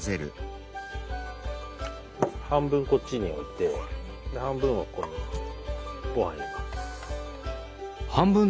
半分こっちに置いて半分はここにごはん入れます。